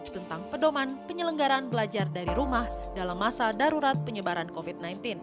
tentang pedoman penyelenggaran belajar dari rumah dalam masa darurat penyebaran covid sembilan belas